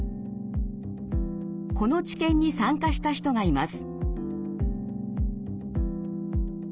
この治験に参加した人がいます。